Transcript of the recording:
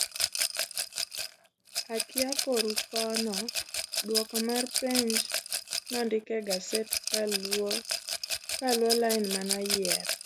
akia koru kono duoko mar peny nondik e gaset kaluo lain manoyier